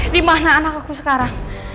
dimana anak aku sekarang